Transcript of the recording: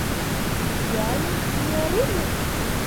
Kial, sinjorino?